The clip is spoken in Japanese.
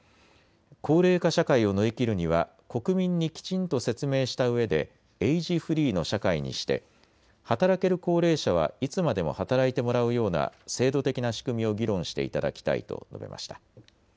高齢化社会を乗り切るには国民にきちんと説明したうえでエイジフリーの社会にして働ける高齢者はいつまでも働いてもらうような制度的な仕組みを議論していただきたいと述べました。